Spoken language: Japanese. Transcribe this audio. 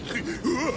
うわ！